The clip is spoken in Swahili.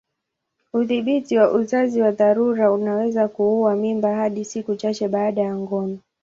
Udhibiti wa uzazi wa dharura unaweza kuua mimba hadi siku chache baada ya ngono.